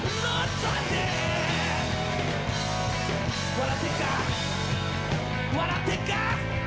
笑ってっか、笑ってっか。